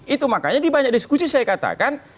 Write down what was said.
itu makanya di banyak diskusi saya katakan